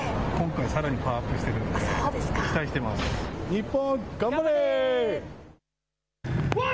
日本、頑張れ！